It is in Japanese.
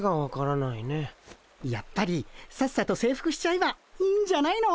やっぱりさっさと征服しちゃえばいいんじゃないの。